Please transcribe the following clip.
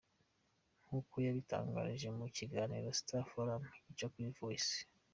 Nkuko yabitangarije mu kiganiro Star Forum gica kuri Voice.